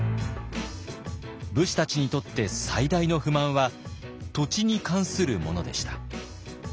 武士たちにとって最大の不満は土地に関するものでした。